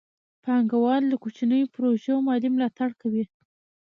پانګه وال د کوچنیو پروژو مالي ملاتړ کوي.